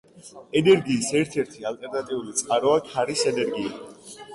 ენერგიის ერთ-ერთი ალტერნატიული წყაროა ქარის ენერგია.